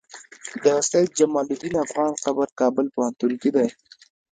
د سيد جمال الدين افغان قبر کابل پوهنتون کی دی